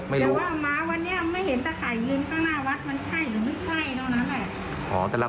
อ๋อเดี๋ยวว่ามาวันนี้ไม่เห็นตะไข่ยืนข้างหน้าวัด